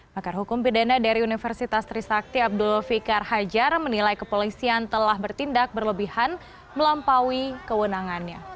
pakar hukum pidana dari universitas trisakti abdul fikar hajar menilai kepolisian telah bertindak berlebihan melampaui kewenangannya